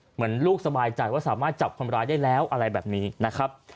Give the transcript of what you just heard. เหมือนลูกสบายใจว่าสามารถจับคนร้ายได้แล้วอะไรแบบนี้นะครับ